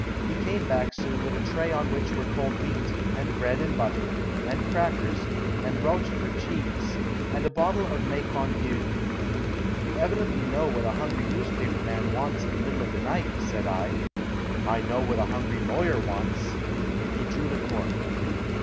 He came back soon with a tray on which were cold meat, and bread and butter, and crackers, and Rochefort cheese, and a bottle of Macon Vieux. "You evidently know what a hungry newspaper man wants in the middle of the night," said I. "I know what a hungry lawyer wants," and he drew the cork.